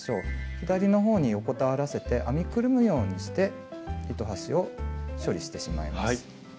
左の方に横たわらせて編みくるむようにして糸端を処理してしまいます。